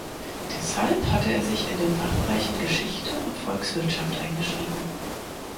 Deshalb hatte er sich in den Fachbereichen Geschichte und Volkswirtschaft eingeschrieben.